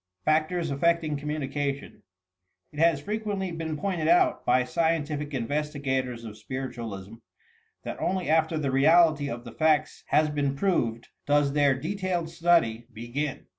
FACTORS AFFECTING COMMUNICATION It has frequently been pointed out by scientific in vestigators of spiritualism that only after the reality of the facts has been proved, does their detailed study 250 DIFFICULTIES OF COMJroNICATION 251 begin.